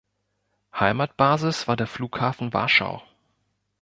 Heimatbasis war der Flughafen Warschau.